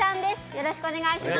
よろしくお願いします